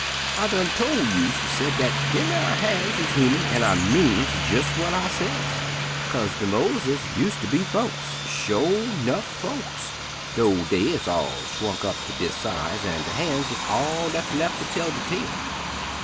"I done tol' you," she said, "dat dem 'ar han's is human, an' I mean jes' w'at I ses, 'kase de moleses useter be folks, sho' 'nuff folks, dough dey is all swunk up ter dis size an' der han's is all dat's lef ter tell de tale.